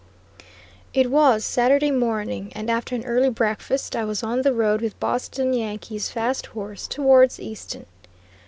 It was Saturday morning, and after an early breakfast I was on the road with Boston Yankee's fast horse; towards Easton.